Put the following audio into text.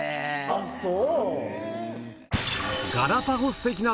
あっそう。